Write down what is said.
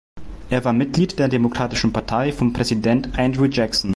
Er war Mitglied der Demokratischen Partei von Präsident Andrew Jackson.